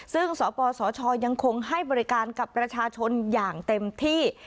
ซึ่งสปสชยังคงให้บริการกับประชาชนอย่างเต็มที่